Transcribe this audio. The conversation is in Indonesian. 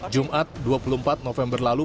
jumat dua puluh empat november lalu